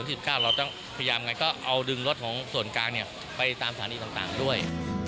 เราต้องพยายามไงก็เอาดึงรถของส่วนกลางไปตามสถานีต่างด้วย